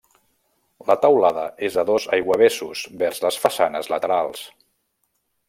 La teulada és a dos aiguavessos vers les façanes laterals.